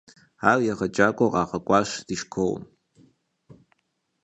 Ар егъэджакӏуэу къагъэкӏуащ ди школым.